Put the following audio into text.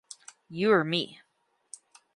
You or me?